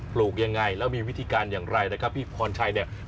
ลูกยังไงแล้วมีวิธีการอย่างไรนะครับพี่พรชัยเนี่ย